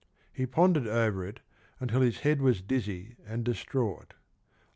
He pondered over it until his head was dizzy and distraught (565).